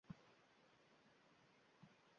Ular Falakdan minglab mil quyida yashashadi